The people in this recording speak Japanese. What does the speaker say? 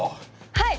はい！